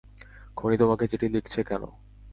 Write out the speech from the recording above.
খুনী তোমাকে চিঠি লিখছে কেন?